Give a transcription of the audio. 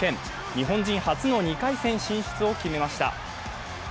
日本人初の２回戦進出を決めました